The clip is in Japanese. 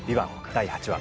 第８話